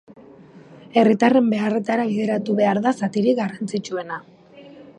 Herritarren beharretara bideratu behar da zatirik garrantzitsuena.